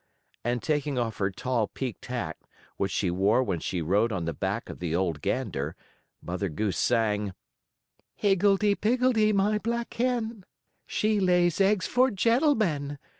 And, taking off her tall peaked hat, which she wore when she rode on the back of the old gander, Mother Goose sang: "Higgledee Piggledee, my black hen, She lays eggs for gentlemen.